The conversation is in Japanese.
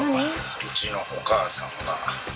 うちのお母さんが、これ。